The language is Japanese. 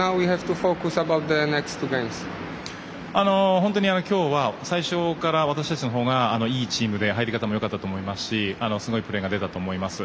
本当に今日は最初から私たちのほうがいいチームで入り方もよかったと思いますしすごいプレーが出たと思います。